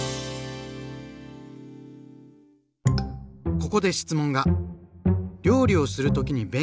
ここで質問が！